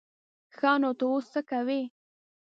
ښه نو ته اوس څه کوې؟